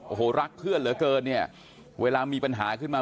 โอ้โหรักเพื่อนเหลือเกินเนี่ยเวลามีปัญหาขึ้นมา